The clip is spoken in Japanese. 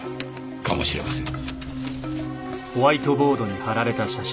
かもしれません。